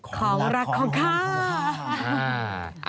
ของรักของข้า